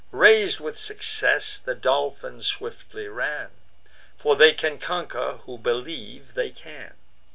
Rais'd with success, the Dolphin swiftly ran; For they can conquer, who believe they can.